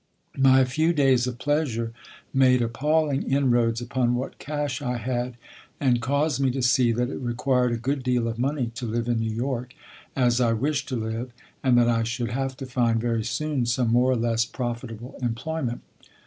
My few days of pleasure made appalling inroads upon what cash I had, and caused me to see that it required a good deal of money to live in New York as I wished to live and that I should have to find, very soon, some more or less profitable employment.